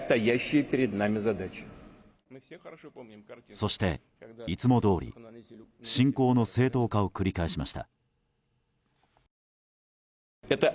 そして、いつもどおり侵攻の正当化を繰り返しました。